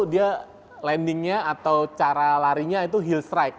dia landingnya atau cara larinya itu health strike